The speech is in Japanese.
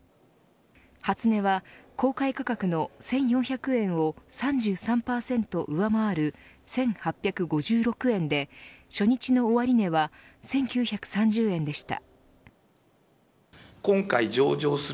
初値は公開価格の１４００円を３３％上回る１８５６円で初日の終値は１９３０円でした。